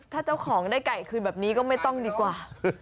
ถ้าเจ้าของได้ไก่คืนแบบนี้ก็ไม่ต้องดีกว่า